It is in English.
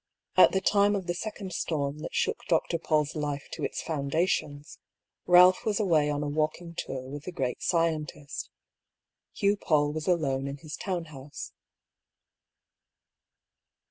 At the time of the second storm that shook Dr. PauU's life to its foundations, Balph was away on a walking tour with the great scientist. Hugh PauU was alone in his town house.